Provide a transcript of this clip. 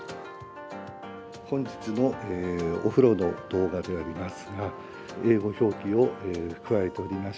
本日のお風呂の動画でありますが、英語表記を加えておりまし